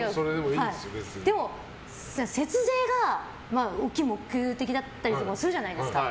でも、節税が大きい目的とかだったりもするじゃないですか。